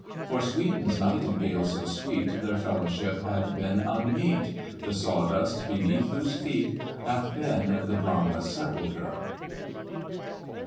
For Sweden's Nightingale so sweet. Their fellowship had been unmeet. The sawdust underneath whose feet Hath been the Drama's sepulchre."